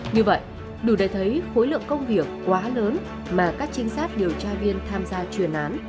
như vậy đủ để thấy khối lượng công việc quá lớn mà các trinh sát điều tra viên tham gia truyền án